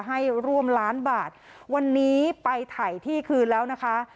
ให้ร่วมล้านบาทวันนี้ไปถ่ายที่คืนแล้วนะคะ